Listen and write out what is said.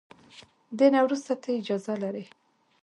دې نه وروسته ته اجازه لري.